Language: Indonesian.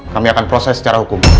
kami akan proses secara hukum